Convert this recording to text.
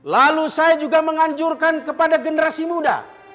lalu saya juga menghancurkan kepada generasi muda